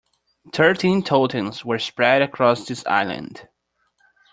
Thirteen totems were spread across this island.